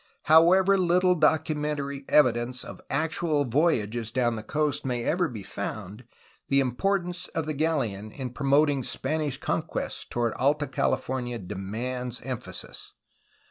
However little documentary evidence of actual voyages down the coast may ever be found, the importance of the galleon in promoting Spanish conquests toward Alta Cali fornia demands emphasis.